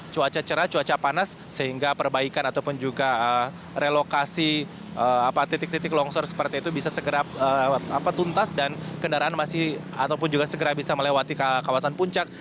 cuaca cerah cuaca panas sehingga perbaikan ataupun juga relokasi titik titik longsor seperti itu bisa segera tuntas dan kendaraan masih ataupun juga segera bisa melewati kawasan puncak